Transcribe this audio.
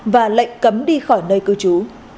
và lệnh cấm đi khỏi nơi cư chú